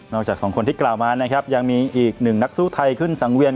จากสองคนที่กล่าวมานะครับยังมีอีกหนึ่งนักสู้ไทยขึ้นสังเวียน